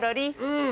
うん。